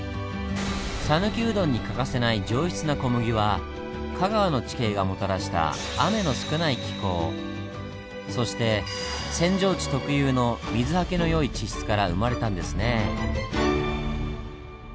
さぬきうどんに欠かせない上質な小麦は香川の地形がもたらした雨の少ない気候そして扇状地特有の水はけの良い地質から生まれたんですねぇ。